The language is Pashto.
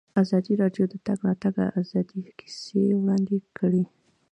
ازادي راډیو د د تګ راتګ ازادي کیسې وړاندې کړي.